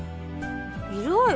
いるわよ